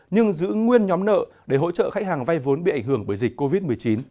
nhưng giữ nguyên nhóm nợ để hỗ trợ khách hàng vay vốn bị ảnh hưởng bởi dịch covid một mươi chín